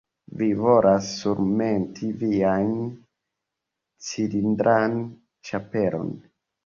Vi volas surmeti vian cilindran ĉapelon?